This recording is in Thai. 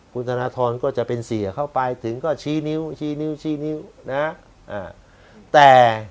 คุณธนทรก็จะเป็นเสียเข้าไปถึงก็ชี้นิ้วชี้นิ้วชี้นิ้วนะแต่